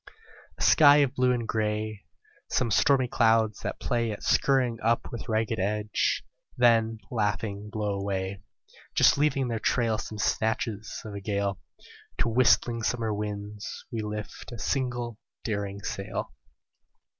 A sky of blue and grey; Some stormy clouds that play At scurrying up with ragged edge, then laughing blow away, Just leaving in their trail Some snatches of a gale; To whistling summer winds we lift a single daring sail.